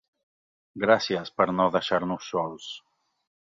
Gràcies per no deixar-nos sols.